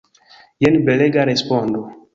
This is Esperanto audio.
Jen belega respondo!